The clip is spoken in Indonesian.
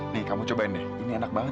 nih kamu cobain deh ini enak banget